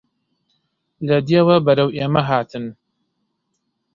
لە دێوە بەرەو ئێمە هاتن